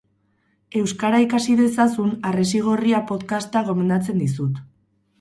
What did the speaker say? Euskara ikasi dezazun, Harresi Gorria podcasta gomendatzen dizut